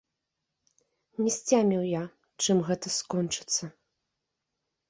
Не сцяміў я, чым гэта скончыцца.